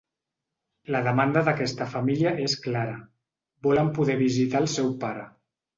La demanda d’aquesta família és clara, volen poder visitar al seu pare.